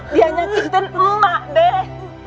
dia nyakitin emak deh